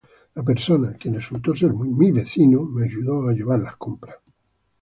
La persona, quien resultó ser mi vecino, me ayudó a llevar las compras.